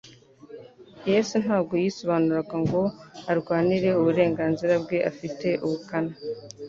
Yesu ntabwo yisobanuraga ngo arwanire uburenganzira bwe afite ubukana.